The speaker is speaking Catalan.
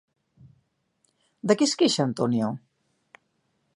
De què es queixa Antonio?